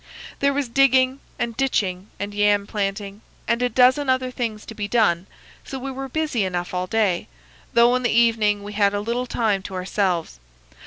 There was digging, and ditching, and yam planting, and a dozen other things to be done, so we were busy enough all day; though in the evening we had a little time to ourselves.